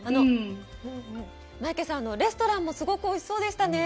マイケさん、レストランもすごくおいしそうでしたね。